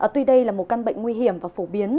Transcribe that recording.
tuy đây là một căn bệnh nguy hiểm và phổ biến